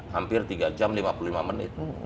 hampir tiga jam lima puluh lima menit